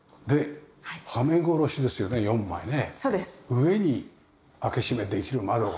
上に開け閉めできる窓が。